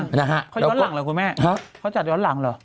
เขาย้อนหลังหรอคุณแม่เขาจัดย้อนหลังหรอ